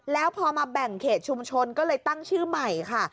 แล้วพอมาแบ่งเขตชุมชนก็เลยตั้งชื่อใหม่ค่ะ